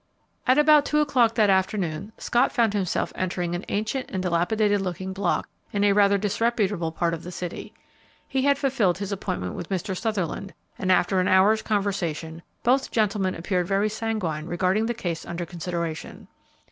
At about two o'clock that afternoon, Scott found himself entering an ancient and dilapidated looking block in a rather disreputable part of the city. He had fulfilled his appointment with Mr. Sutherland, and after an hour's conversation both gentlemen appeared very sanguine regarding the case under consideration.